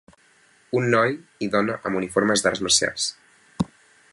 Un noi i dona amb uniformes d'arts marcials.